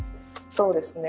そうですね。